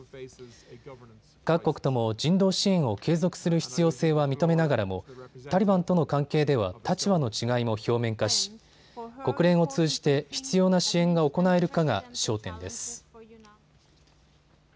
各国とも人道支援を継続する必要性は認めながらもタリバンとの関係では立場の違いも表面化し、国連を通じて必要な支援が行えるかが焦点です。